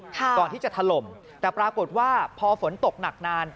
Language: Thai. ก่อนที่จะถล่มแต่ปรากฏว่าพอฝนตกหนักนาน